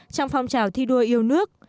trong phong trào thi đua yêu nước